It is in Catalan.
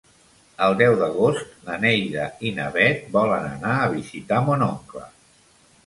El deu d'agost na Neida i na Bet volen anar a visitar mon oncle.